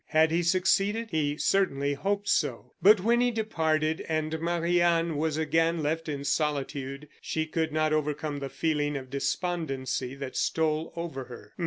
Had he succeeded? He certainly hoped so. But when he departed and Marie Anne was again left in solitude, she could not overcome the feeling of despondency that stole over her.